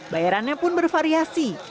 bayarannya pun bervariasi